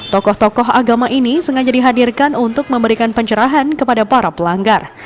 tokoh tokoh agama ini sengaja dihadirkan untuk memberikan pencerahan kepada para pelanggar